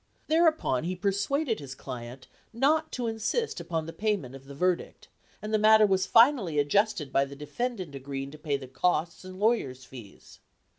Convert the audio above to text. Thereupon he persuaded his client not to insist upon the payment of the verdict, and the matter was finally adjusted by the defendant agreeing to pay the costs and lawyers' fees.